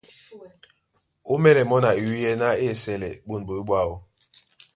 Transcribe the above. Á ómɛ́lɛ́ mɔ́ na iwíyɛ́ ná á esɛlɛ ɓôn ɓoɓé ɓwáō.